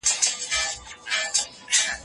څېړونکو ویلي دي چې د کلیوالو کلتور ډېر خوندي دی.